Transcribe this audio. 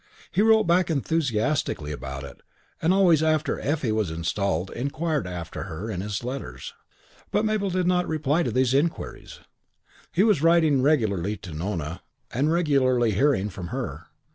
He wrote back enthusiastically about it and always after Effie was installed inquired after her in his letters. But Mabel did not reply to these inquiries. III He was writing regularly to Nona and regularly hearing from her.